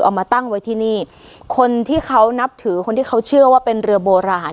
เอามาตั้งไว้ที่นี่คนที่เขานับถือคนที่เขาเชื่อว่าเป็นเรือโบราณ